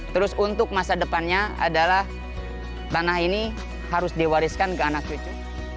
terus untuk masa depannya adalah tanah ini harus diwariskan ke anak cucu